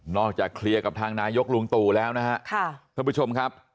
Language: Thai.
นอกจากเคลียร์กับทางนายกฬูงตู่แล้วนะครับท่านผู้ชมครับ